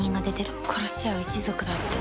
「殺し合う一族だって」